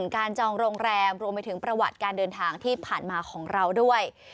จองโรงแรมรวมไปถึงประวัติการเดินทางที่ผ่านมาของเราด้วย